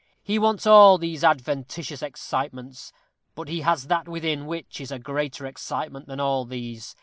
He wants all these adventitious excitements, but he has that within which is a greater excitement than all these.